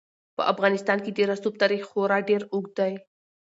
په افغانستان کې د رسوب تاریخ خورا ډېر اوږد دی.